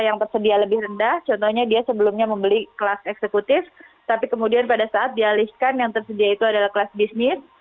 yang tersedia lebih rendah contohnya dia sebelumnya membeli kelas eksekutif tapi kemudian pada saat dialihkan yang tersedia itu adalah kelas bisnis